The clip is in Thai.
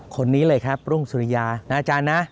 คนนี้เลยครับรุ่งสุริยานะอาจารย์นะ